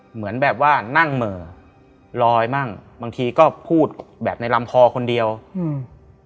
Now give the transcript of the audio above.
เหมือนแบบว่านั่งเหม่อลอยมั่งบางทีก็พูดแบบในลำคอคนเดียวอืม